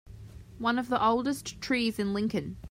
One of the oldest trees in Lincoln.